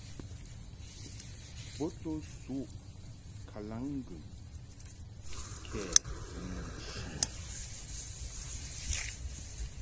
Bo to suʼ kalaŋŋgɨŋ kɛ ni nchi.